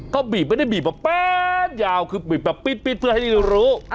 เขาบีบไม่ได้บีบแป๊ะยาวคือบีบแบบปิ๊ดเพื่อให้รู้